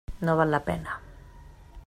No val la pena.